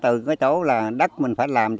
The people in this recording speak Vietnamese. từ cái chỗ là đất mình phải làm